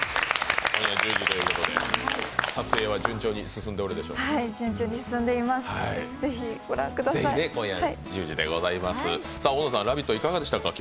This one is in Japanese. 撮影は順調に進んでおるでしょうか？